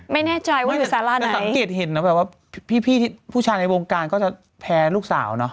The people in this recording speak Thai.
ไม่แน่ใจว่าอยู่สาระนะสังเกตเห็นนะแบบว่าพี่ผู้ชายในวงการก็จะแพ้ลูกสาวเนอะ